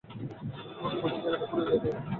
তোমাকে জায়গাটা ঘুরিয়ে দেখাই।